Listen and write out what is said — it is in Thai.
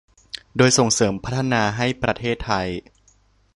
โดยส่งเสริมพัฒนาให้ประเทศไทย